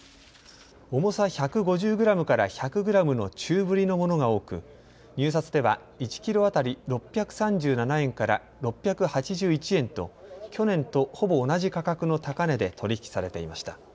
重さ１５０グラムから１００グラムの中ぶりのものが多く、入札では１キロ当たり６３７円から６８１円と去年とほぼ同じ価格の高値で取り引きされていました。